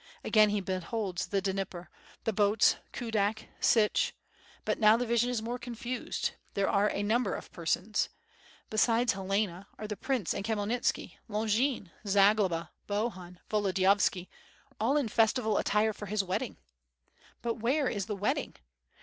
Again he beholds the Dnieper, the boats, Kudak, Sich — but now the vision is more confused, there are a number of per ns. Besides Helena are the prince and Khniyelnitski, ^ Migin, Zagloba, Bohun, Volodi yovski, all in festival attire for his wedding. But where is the wedding?